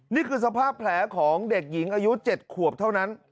นี่คือสภาพแผลของเด็กหญิงอายุ๗ขวบเท่านั้น